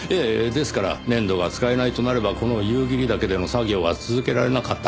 ですから粘土が使えないとなればこの夕霧岳での作業は続けられなかったはずです。